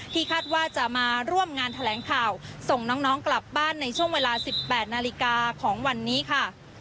คาดว่าจะมาร่วมงานแถลงข่าวส่งน้องกลับบ้านในช่วงเวลา๑๘นาฬิกาของวันนี้ค่ะ